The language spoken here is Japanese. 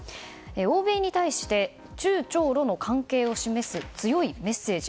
欧米に対して中朝ロの関係を示す強いメッセージ。